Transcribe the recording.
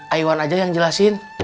ayo aja yang jelasin